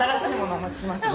お持ちしますね